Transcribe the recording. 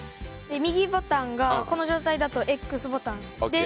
右ボタンがこの状態だとＸボタン。